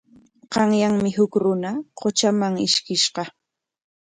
Qanyanmi huk runa qutraman ishkishqa.